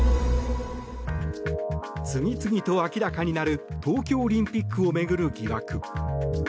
次々と明らかになる東京オリンピックを巡る疑惑。